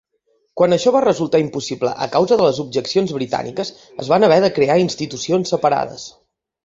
Quan això va resultar impossible a causa de les objeccions britàniques, es van haver de crear institucions separades.